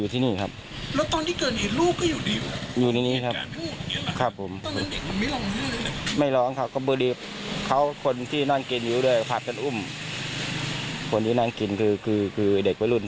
ชาวบ้านที่เขาเห็นเหตุการณ์ที่เขาเล่าให้ฟังนะครับ